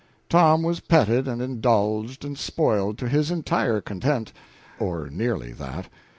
Tom was petted and indulged and spoiled to his entire content or nearly that.